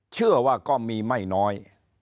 เชื่อว่าก็มีไม่น้อย